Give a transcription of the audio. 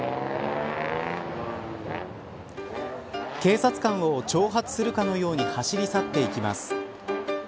警察官を挑発するかのように走り去っていきます。